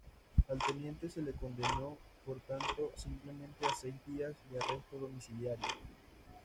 Al teniente se le condenó por tanto simplemente a seis días de arresto domiciliario.